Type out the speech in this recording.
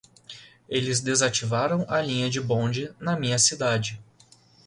Eles desativaram a linha de bonde na minha cidade.